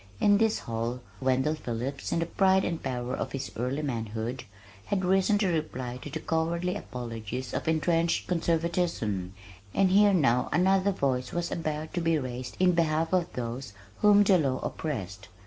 In this hall Wendell Phillips in the pride and power of his early manhood, had risen to reply to the cowardly apologies of entrenched conservatism, and here now another voice was about to be raised in behalf of those whom the law oppressed.